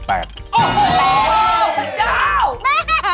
พระเจ้า